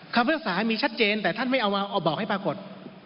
คำพิพากษามีชัดเจนแต่ท่านไม่เอาบอกให้ปรากฏ